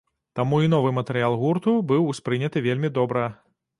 Таму і новы матэрыял гурту быў успрыняты вельмі добра.